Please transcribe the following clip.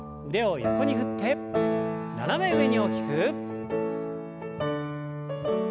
腕を横に振って斜め上に大きく。